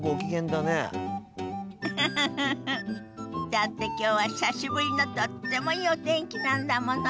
だってきょうは久しぶりのとってもいいお天気なんだもの。